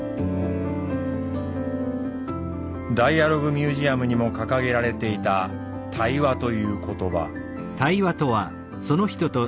ダイアログ・ミュージアムにも掲げられていた「対話」という言葉。